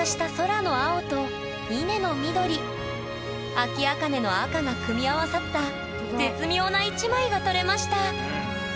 アキアカネの赤が組み合わさった絶妙な一枚が撮れました。